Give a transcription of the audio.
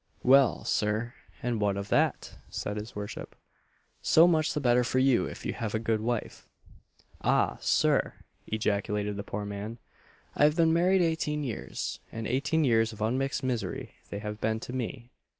"Well, Sir, and what of that?" said his worship. "So much the better for you, if you have a good wife." "Ah, Sir!" ejaculated the poor man, "I have been married eighteen years and eighteen years of unmixed misery they have been to me!